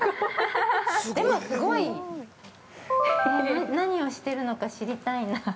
◆何をしてるのか、知りたいな。